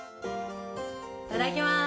いただきます。